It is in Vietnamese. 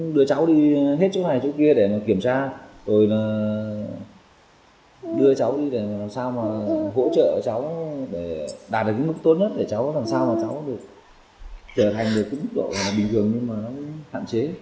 đưa cháu đi để làm sao mà hỗ trợ cháu để đạt được mức tốt nhất để cháu làm sao mà cháu được trở thành được mức độ bình thường nhưng mà nó cũng hạn chế